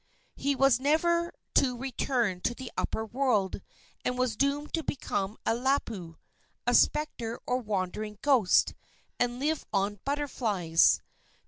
He was never to return to the upper world, and was doomed to become a lapu a spectre or wandering ghost and live on butterflies.